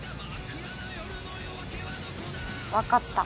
分かった。